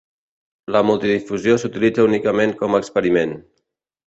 La multidifusió s'utilitza únicament com a experiment.